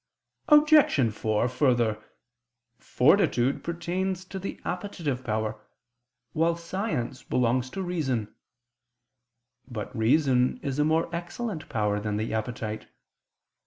Obj. 4: Further, fortitude pertains to the appetitive power, while science belongs to reason. But reason is a more excellent power than the appetite.